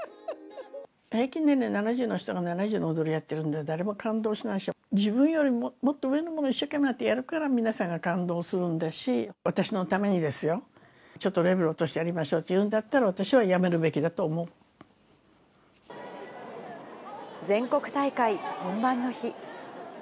平均年齢が７０の人が７０の踊りやってるんじゃ、誰も感動しないでしょ、自分よりもっと上のものを一生懸命やるから、皆さんが感動するんだし、私のためにですよ、ちょっとレベル落としてやりましょうっていうのなら、私は辞める全国大会本番の日。